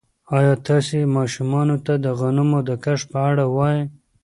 ایا تاسي ماشومانو ته د غنمو د کښت په اړه وایئ؟